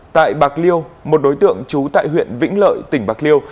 tại bạc liêu một đối tượng trú tại huyện vĩnh lợi tỉnh bạc liêu